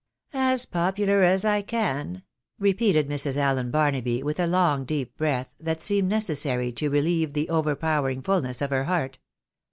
" As popular as I can," repeated Mrs. Allen Barnaby, with a long deep breath that seemed necessary to relieve the overpowering fulness of her heart.